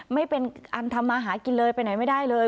ไม่เป็นอันทำมาหากินเลยไปไหนไม่ได้เลย